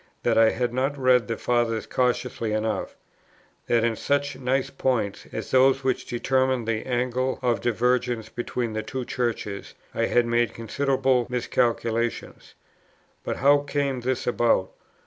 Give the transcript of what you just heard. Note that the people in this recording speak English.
that I had not read the Fathers cautiously enough; that in such nice points, as those which determine the angle of divergence between the two Churches, I had made considerable miscalculations. But how came this about?